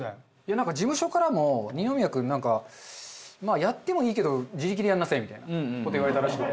なんか事務所からも二宮君なんかまあやってもいいけど自力でやりなさいみたいな事言われたらしくて。